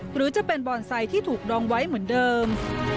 หรือจะเป็นบอนไซค์ที่ถูกดองไว้เหมือนเดิม